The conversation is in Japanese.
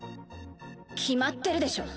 決まってるでしょ。